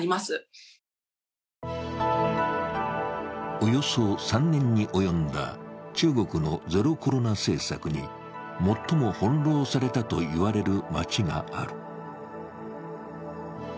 およそ３年に及んだ中国のゼロコロナ政策に最も翻弄されたといわれる街がある。